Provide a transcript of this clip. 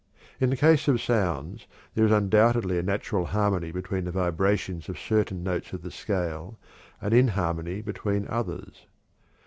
In the case of sounds there is undoubtedly a natural harmony between the vibrations of certain notes of the scale and inharmony between others.